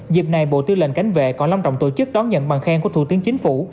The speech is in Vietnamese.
dịp này bộ tư lệnh cảnh vệ còn long trọng tổ chức đón nhận bằng khen của thủ tướng chính phủ